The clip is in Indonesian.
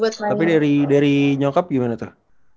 tapi dari nyokap gimana teh